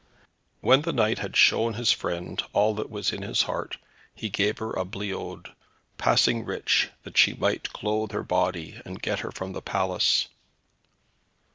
When the knight had shown his friend all that was in his heart, he gave her a bliaut, passing rich, that she might clothe her body, and get her from the palace.